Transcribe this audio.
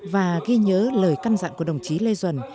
và ghi nhớ lời căn dặn của đồng chí lê duẩn